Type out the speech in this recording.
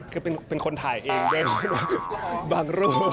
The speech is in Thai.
คือเป็นคนถ่ายเองด้วยบางรูป